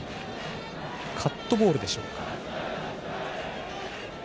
カットボールでしょうか。